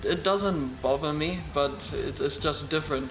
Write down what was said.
itu tidak membuat saya bahagia tapi itu hanya berbeda